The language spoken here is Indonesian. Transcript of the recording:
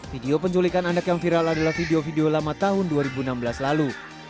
video penculikan anak yang viral adalah video video lama tahun dua ribu enam belas lalu